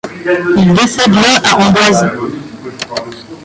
Il décède le à Amboise.